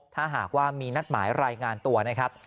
ถ้าหากว่ามีนัดหมายรายงานตัวนะครับ